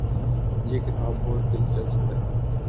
یہ کتاب بہت دلچسپ ہے